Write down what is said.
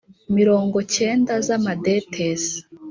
mirongo cyenda z amadetesi